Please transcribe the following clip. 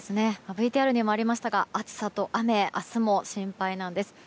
ＶＴＲにもありましたが暑さと雨明日も心配なんです。